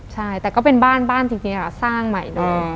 ใช่แต่ก็เป็นบ้านบ้านจริงค่ะสร้างใหม่เนอะ